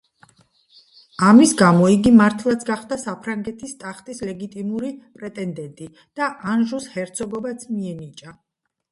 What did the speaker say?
ამის გამო, იგი მართლაც გახდა საფრანგეთის ტახტის ლეგიტიმური პრეტენდენტი და ანჟუს ჰერცოგობაც მიენიჭა.